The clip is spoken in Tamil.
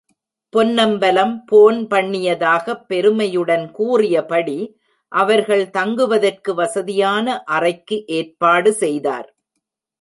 பொன்னம்பலம் போன் பண்ணியதாக பெருமையுடன் கூறியபடி அவர்கள் தங்குவதற்கு வசதியான அறைக்கு ஏற்பாடு செய்தார்.